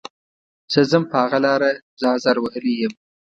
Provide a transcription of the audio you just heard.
زه ځم په خپله لاره زه ازار وهلی یم.